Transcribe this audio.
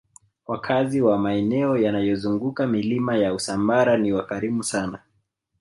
wakazi wa maeneo yanayozunguka milima ya usambara ni wakarimu sana